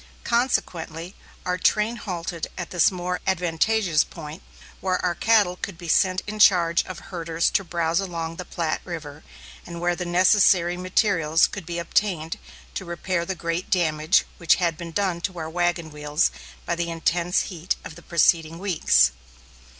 Consequently, our train halted at this more advantageous point, where our cattle could be sent in charge of herders to browse along the Platte River, and where the necessary materials could be obtained to repair the great damage which had been done to our wagon wheels by the intense heat of the preceding weeks.